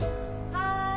・はい。